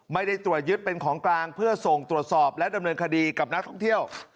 ไม่ได้ตรวจยึดเป็นของกลางเพื่อส่งตรวจสอบและดำเนินคดีกับนักท่องเที่ยว